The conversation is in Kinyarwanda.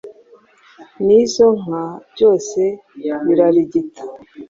n’izo nka byose birarigita